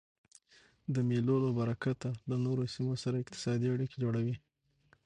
د مېلو له برکته خلک له نورو سیمو سره اقتصادي اړیکي جوړوي.